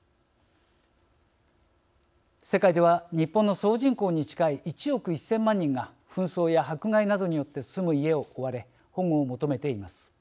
世界では日本の総人口に近い１億１，０００万人が紛争や迫害などによって住む家を追われ保護を求めています。